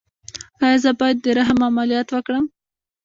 ایا زه باید د رحم عملیات وکړم؟